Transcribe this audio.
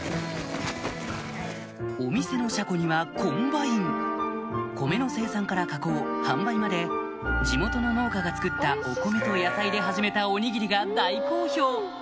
お店の車庫にはコンバイン米の生産から加工販売まで地元の農家が作ったお米と野菜で始めたおにぎりが大好評